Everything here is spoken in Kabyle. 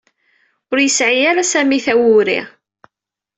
Ur yesɛi ara Sami tawuri.